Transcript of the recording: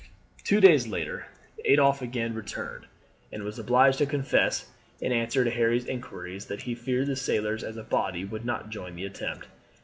Two days later Adolphe again returned, and was obliged to confess in answer to Harry's inquiries that he feared the sailors as a body would not join in the attempt.